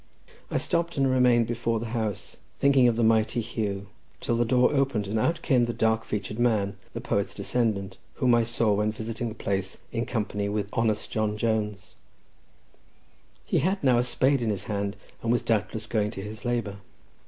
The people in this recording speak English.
I stopped, and remained before the house, thinking of the mighty Huw, till the door opened, and out came the dark featured man, the poet's descendant, whom I saw when visiting the place in company with honest John Jones—he had now a spade in his hand, and was doubtless going to his labour.